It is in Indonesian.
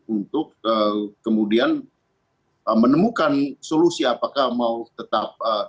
untuk kemudian menemukan solusi apakah mau tetap